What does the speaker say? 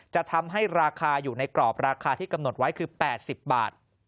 จะทำให้ราคาอยู่ในกรอบราคาที่กำหนดไว้คือ๘๐บาท